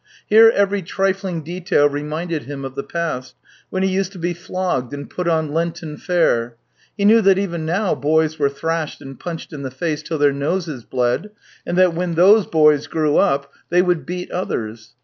Here every trifling detail reminded him of the past, when he uSed to be flogged and put on Lenten fare; he knew that even now boys were thrashed and punched in the face till their noses bled, and that when those boys grew up they would beat others.